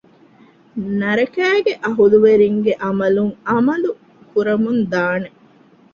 ނަރަކައިގެ އަހުލުވެރިންގެ ޢަމަލުން ޢަމަލު ކުރަމުން ދާނެ